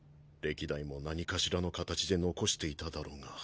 歴代も何かしらの形で残していただろうが。